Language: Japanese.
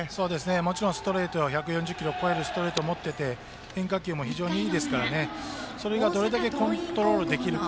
もちろんストレートが１４０キロを超えるものを持っていて変化球も非常にいいですからそれがどれだけコントロールできるか。